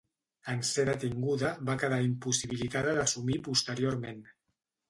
En ser detinguda, va quedar impossibilitada d'assumir posteriorment.